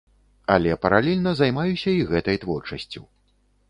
Але паралельна займаюся і гэтай творчасцю.